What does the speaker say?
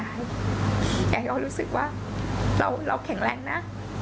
อยากให้เขารู้สึกว่าเราแข็งแรงนะ